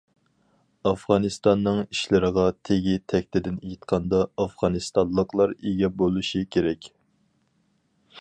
ئافغانىستاننىڭ ئىشلىرىغا تېگى تەكتىدىن ئېيتقاندا ئافغانىستانلىقلار ئىگە بولۇشى كېرەك.